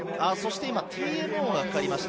今、ＴＭＯがかかりました。